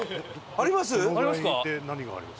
ありますか？